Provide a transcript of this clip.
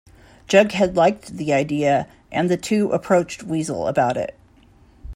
Jughead liked the idea and the two approached Weasel about it.